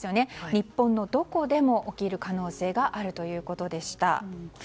日本のどこでも起きる可能性があるということでした。